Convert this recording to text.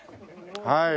はい。